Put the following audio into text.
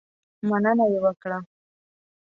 مننه یې وکړه.